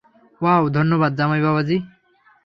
Wow, ধন্যবাদ, জামাই বাবাজি।